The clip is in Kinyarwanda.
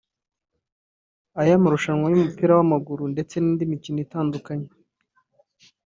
Aya marushanwa y’umupira w’amaguru ndetse n’indi mikino itandukanye